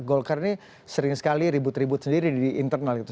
golkar ini sering sekali ribut ribut sendiri di internal gitu